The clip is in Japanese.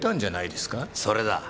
それだ。